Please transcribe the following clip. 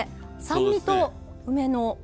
酸味と梅の。